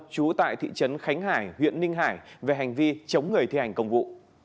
trú tại thị trấn khánh hải huyện ninh hải về hành vi chống người thi hành công vụ